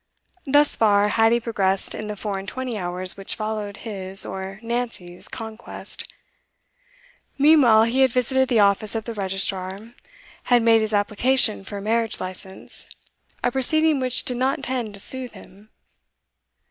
Thus far had he progressed in the four and twenty hours which followed his or Nancy's conquest. Meanwhile he had visited the office of the registrar, had made his application for a marriage licence, a proceeding which did not tend to soothe him.